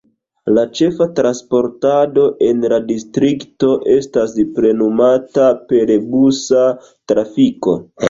La ĉefa transportado en la distrikto estas plenumata per busa trafiko.